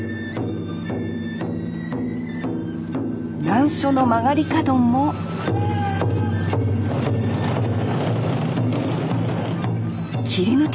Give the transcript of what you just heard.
難所の曲がり角もせの！